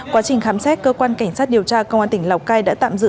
quá trình khám xét cơ quan cảnh sát điều tra công an tỉnh lào cai đã tạm giữ